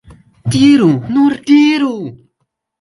Diru, nur diru!